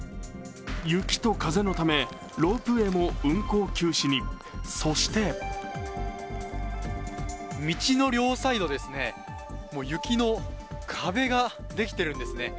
雪と風のためロープウエーも運行休止に、そして道の両サイド、雪の壁ができているんですね。